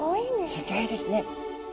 すギョいですね。